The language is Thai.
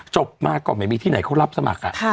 จบมาก็ไม่มีที่ไหนเขารับสมัคร